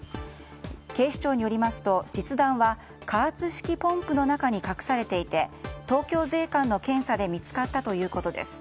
警視庁によりますと実弾は加圧式ポンプの中に隠されていて、東京税関の検査で見つかったということです。